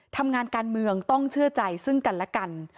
ทำงานการเมืองต้องเชื่อใจซึ่งกันและกัน